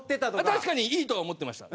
確かにいいとは思ってました。